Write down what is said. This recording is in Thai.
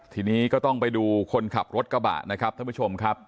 ทีนี้ก็ต้องไปดูคนขับรถกระบะนะครับท่านผู้ชมครับ